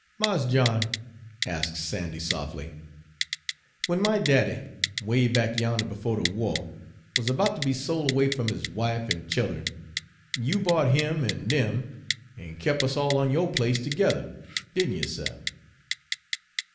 "Mars John," asked Sandy softly, "w'en my daddy, 'way back yander befo' de wah, wuz about ter be sol' away f'm his wife an' child'en, you bought him an' dem, an' kep' us all on yo' place tergether, didn't you, suh?"